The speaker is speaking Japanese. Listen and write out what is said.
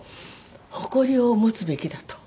誇りを持つべきだと。